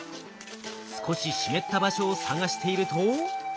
少し湿った場所を探していると。